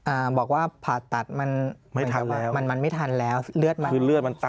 อ่าบอกว่าผ่าตัดมันไม่ทันแล้วมันมันไม่ทันแล้วเลือดมันคือเลือดมันตั